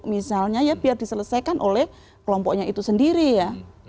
misalnya ya biar diselesaikan oleh kelompoknya itu sendiri ya